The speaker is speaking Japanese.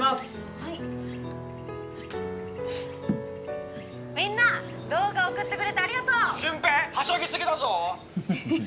はいみんな動画送ってくれてありがとう俊平はしゃぎすぎだぞ！